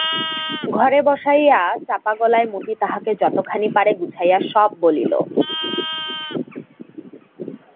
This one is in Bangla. ঘরে বসাইয়া চাপাগলায় মতি তাহাকে যতখানি পারে গুছাইয়া সব বলিল।